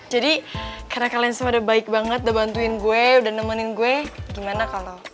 jadi karena kalian semua udah baik banget udah bantuin gue udah nemenin gue gimana kalo